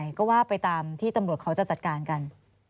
ใช่ก็ว่าไปตามที่ตำรวจเขาจะจัดการกัน